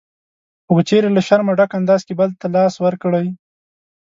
خو که چېرې له شرمه ډک انداز کې بل ته لاس ورکړئ